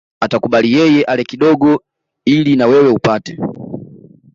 Atakubali yeye ale kidogo ili na wewe upate